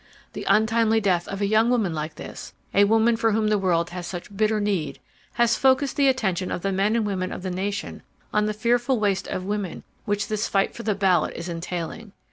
The untimely death of a young woman like this—a woman for whom the world has such bitter need—has focussed the attention of the men and women of the nation on the fearful waste of women which this fight for the ballot is entailing.